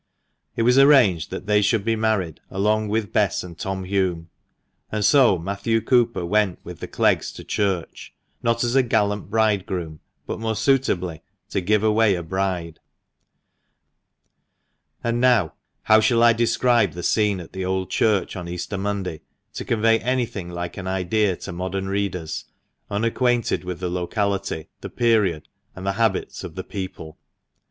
It was arranged that they should be married along with Bess and Tom Hulme ; and so Matthew Cooper went with the Cleggs to church, not as a gallant bridegroom, but, more suitably, to give away a bride. And now, how shall I describe the scene at the Old Church on Easter Monday, to convey anything like an idea to modern readers, unacquainted with the locality, the period, and the habits of the people